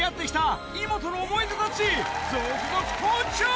続々登場！